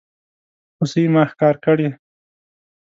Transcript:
هوسۍ ما ښکار کړي